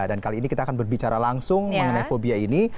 dan kali ini kita akan berbicara langsung mengenai fobia ini